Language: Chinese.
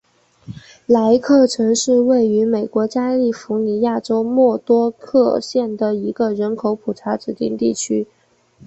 莱克城是位于美国加利福尼亚州莫多克县的一个人口普查指定地区。